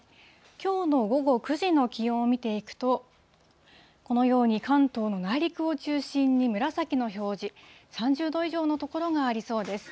きょうの午後９時の気温を見ていくと、このように関東の内陸を中心に紫の表示、３０度以上の所がありそうです。